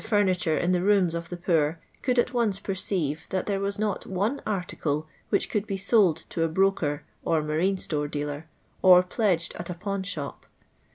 furniture in the rooms of the poor could at once perceive that there was not one article which could be suld to a broker or marine store dealer, or pledged at a pawn shop.